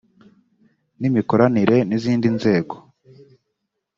n imikoranire n izindi nzego